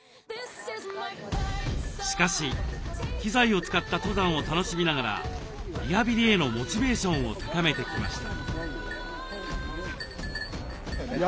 しかし機材を使った登山を楽しみながらリハビリへのモチベーションを高めてきました。